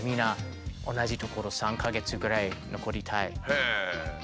へえ！